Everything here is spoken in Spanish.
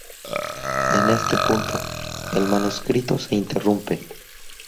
En este punto, el manuscrito se interrumpe.